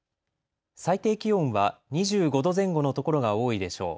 最低気温は２５度前後の所が多いでしょう。